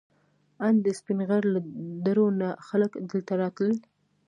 ان د سپین غر له درو نه خلک دلته راتلل.